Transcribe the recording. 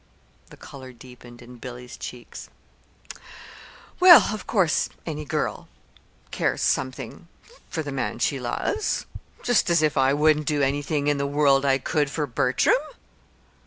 The color deepened in Billy's cheeks. "Well, of course, any girl cares something for the man she loves. Just as if I wouldn't do anything in the world I could for Bertram!"